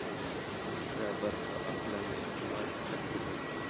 دا برخه اقلاً د احتمال په حد کې ده.